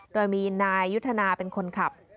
โดยมีนายยุทธนาเป็นคนขับ